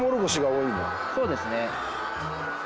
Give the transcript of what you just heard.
そうですね。